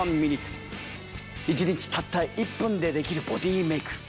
一日たった１分でできるボディーメイク。